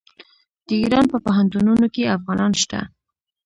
د ایران په پوهنتونونو کې افغانان شته.